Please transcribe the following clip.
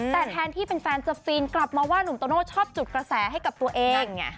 แต่แทนที่เป็นแฟนจะฟินกลับมาว่าหนุ่มโตโน่ชอบจุดกระแสให้กับตัวเอง